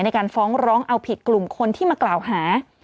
ในการฟ้องร้องเอาผิดกลุ่มคนที่มากล่าวหา